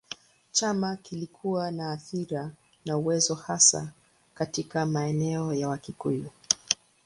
Chama kilikuwa na athira na uwezo hasa katika maeneo ya Wakikuyu.